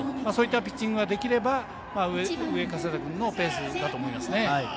そういったピッチングができれば上加世田君のペースだと思います。